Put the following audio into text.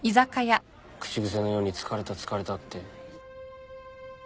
口癖のように疲れた疲れたって。